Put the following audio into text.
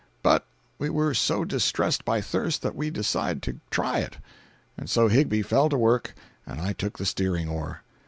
But we were so distressed by thirst that we decide to try it, and so Higbie fell to work and I took the steering oar.